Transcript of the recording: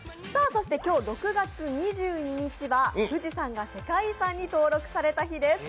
そして今日、６月２２日は富士山が世界遺産に登録された日です。